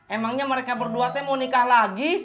emangnya mereka berdua teh mau nikah lagi